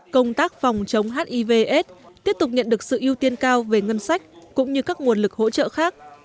công tác phòng chống hivs tiếp tục nhận được sự ưu tiên cao về ngân sách cũng như các nguồn lực hỗ trợ khác